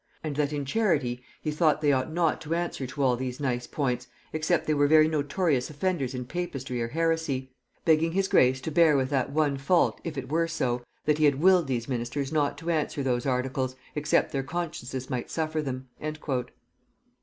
And that in charity he thought, they ought not to answer to all these nice points, except they were very notorious offenders in papistry or heresy: Begging his grace to bear with that one fault, if it were so, that he had willed these ministers not to answer those articles, except their consciences might suffer them." [Note 94: "Life of Whitgift" by Strype.